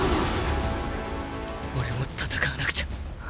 オレも戦わなくちゃ。